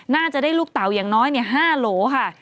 น่าจะได้ลูกเต่าอย่างน้อย๕โหลค่ะ